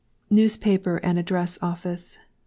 NEWSPAPER AND ADDRESS OFFICE.